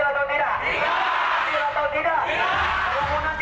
saya mau tanya itu adil atau tidak